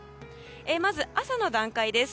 まず朝の段階です。